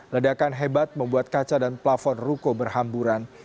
ledakan hebat membuat kaca dan plafon ruko berhamburan